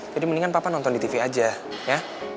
jadi mendingan papa nonton di tv aja ya